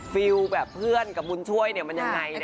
แฟลล์แบบเพื่อนกับบุญช่วยเนี่ยมันอย่างไรเนี้ยค่ะ